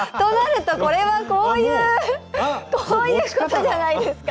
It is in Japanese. こういうことじゃないですか？